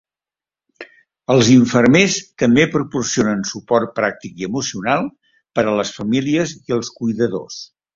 Els infermers també proporcionen suport pràctic i emocional per a les famílies i els cuidadors.